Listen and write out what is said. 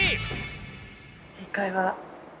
正解は。